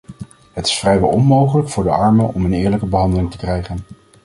Het is vrijwel onmogelijk voor de armen om een eerlijke behandeling te krijgen.